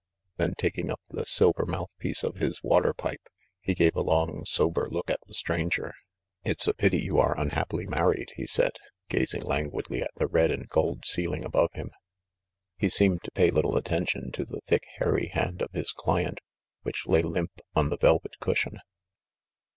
Then, taking up the silver mouthpiece of his water pipe, he gave a long sober look at the stranger. "It's a pity you are unhappily married," he said, gazing languidly at the red and gold ceiling above him. He semed to pay little attention to the thick hairy hand of his client, which lay limp on the velvet cushion.